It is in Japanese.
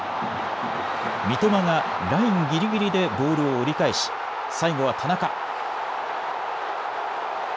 三笘がラインギリギリでボールを折り返し最後は田中。